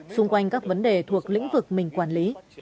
xung quanh các vấn đề thuộc lĩnh vực mình quản lý